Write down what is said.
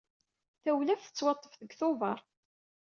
Tawlaft tettwaṭṭef deg Tuber.